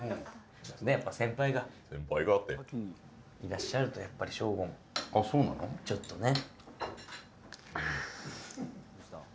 やっぱり先輩がいらっしゃると、ショーゴもちょっとね。